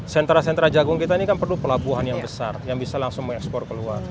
sentra sentra jagung kita ini kan perlu pelabuhan yang besar yang bisa langsung mengekspor keluar